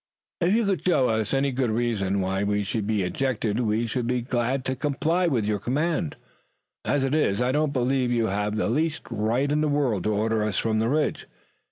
"If you could show us any good reason why we should be ejected we should be glad to comply with your command. As it is I do not believe you have the least right in the world to order us from the Ridge.